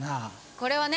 これはね